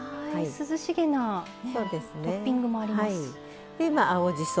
涼しげなトッピングもあります。